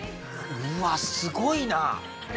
うわっすごいな！